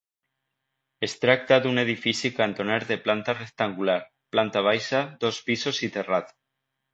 Es tracta d'un edifici cantoner de planta rectangular, planta baixa, dos pisos i terrat.